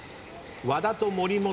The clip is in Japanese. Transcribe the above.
和田と森本